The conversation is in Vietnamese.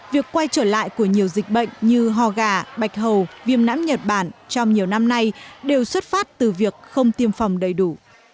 việc quay trở lại của nhiều dịch bệnh như ho gà bạch hầu viêm não nhật bản trong nhiều năm nay đều xuất phát từ việc không tiêm phòng đầy đủ